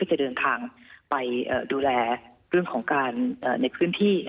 จะเดินทางไปดูแลเรื่องของการในพื้นที่